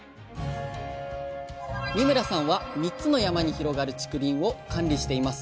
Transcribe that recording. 三村さんは３つの山に広がる竹林を管理しています。